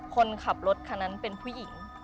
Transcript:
คนขับรถคันนั้นเป็นผู้หญิง